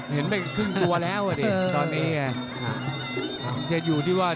เห็นเป็นครึ่งตัวแล้วอ่ะดิตอนนี้เนี้ยอ่า